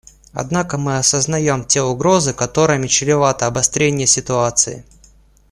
Однако мы осознаем те угрозы, которыми чревато обострение ситуации.